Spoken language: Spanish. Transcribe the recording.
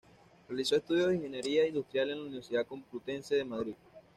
Realizó estudios de Ingeniería Industrial en la Universidad Complutense de Madrid.